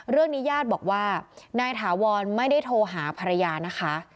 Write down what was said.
ญาติบอกว่านายถาวรไม่ได้โทรหาภรรยานะคะ